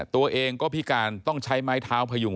ตัวเองก็พิการต้องใช้ไม้เท้าพยุง